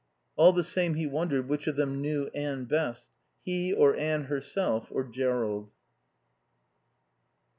All the same he wondered which of them knew Anne best, he or Anne herself, or Jerrold.